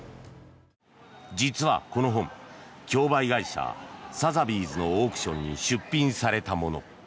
実はこの本競売会社サザビーズのオークションに出品されたもの。